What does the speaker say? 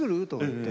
って。